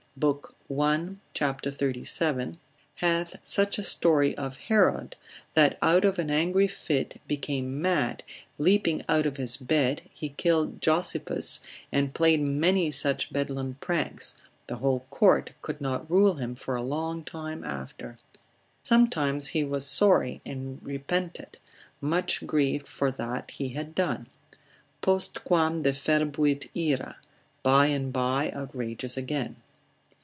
c. 37, hath such a story of Herod, that out of an angry fit, became mad, leaping out of his bed, he killed Jossippus, and played many such bedlam pranks, the whole court could not rule him for a long time after: sometimes he was sorry and repented, much grieved for that he had done, Postquam deferbuit ira, by and by outrageous again.